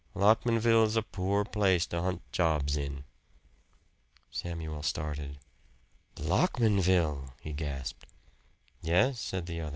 Lockmanville's a poor place to hunt jobs in." Samuel started. "Lockmanville!" he gasped. "Yes," said the other.